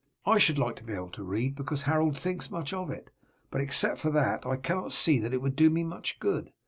I should like to be able to read, because Harold thinks much of it, but except for that I see not that it would do me much good.